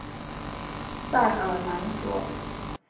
塞尔朗索。